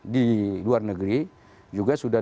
di luar negeri juga sudah